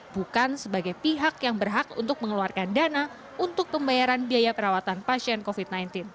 bukan sebagai pihak yang berhak untuk mengeluarkan dana untuk pembayaran biaya perawatan pasien covid sembilan belas